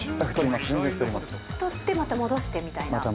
太ってまた戻してみたいな。